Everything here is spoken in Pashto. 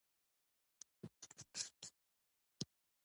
ازادي راډیو د د ځنګلونو پرېکول په اړه د مسؤلینو نظرونه اخیستي.